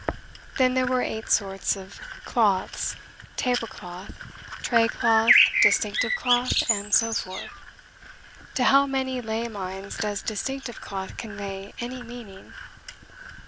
Then there were eight sorts of "Cloths" tablecloth, tray cloth, distinctive cloth, and so forth. (To how many lay minds does "distinctive cloth" convey any meaning?)